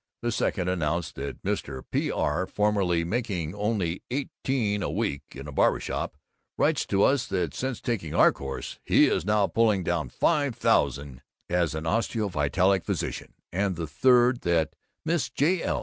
The second announced that "Mr. P. R., formerly making only eighteen a week in a barber shop, writes to us that since taking our course he is now pulling down $5,000 as an Osteo vitalic Physician;" and the third that "Miss J. L.